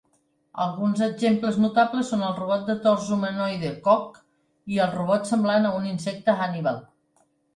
Alguns exemples notables són el robot de tors humanoide Cog i el robot semblant a un insecte Hannibal.